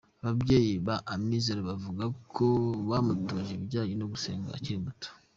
Ababyeyi ba Amizero bavuga ko bamutoje ibijyanye no gusenga akiri muto.